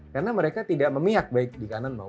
karena mereka tidak memihak baik di kanan maupun di kiri